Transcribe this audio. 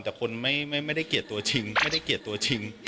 แต่คนไม่ได้เกลียดตัวชิงไม่ได้เกลียดตัวชิง